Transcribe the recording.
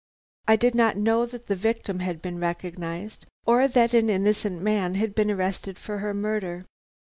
I did not know that the victim had been recognized, or that an innocent man had been arrested for her murder.